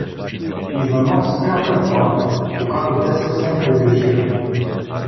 Иванов спря файтона, когато те съвсем приближиха.